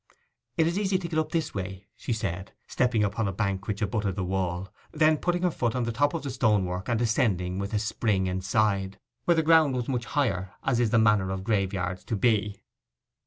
'It is easy to get up this way,' she said, stepping upon a bank which abutted on the wall; then putting her foot on the top of the stonework, and descending a spring inside, where the ground was much higher, as is the manner of graveyards to be.